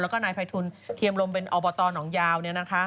แล้วก็นายภัยทุนเคียมรมเป็นอบตหนองยาวเนี่ยนะคะ